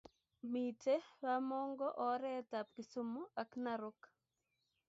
Mite bamongo oret ab Kisumu ak narok